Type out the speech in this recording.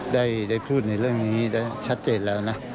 ได้พูดในเรื่องนี้ได้ชัดเจนแล้วนะ